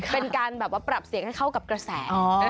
เป็นการแบบว่าปรับเสียงให้เข้ากับกระแส